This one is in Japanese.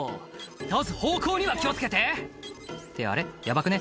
「倒す方向には気を付けてってあれヤバくね？」